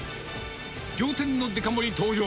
仰天のデカ盛り登場。